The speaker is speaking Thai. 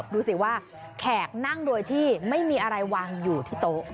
ดูสิว่าแขกนั่งโดยที่ไม่มีอะไรวางอยู่ที่โต๊ะ